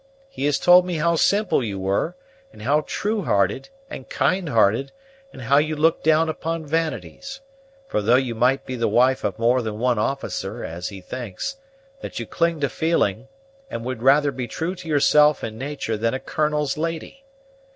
He has told me how simple you were, and how true hearted, and kind hearted; and how you looked down upon vanities, for though you might be the wife of more than one officer, as he thinks, that you cling to feeling, and would rather be true to yourself and natur' than a colonel's lady.